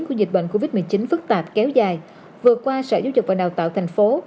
của dịch bệnh covid một mươi chín phức tạp kéo dài vừa qua sở giáo dục và đào tạo thành phố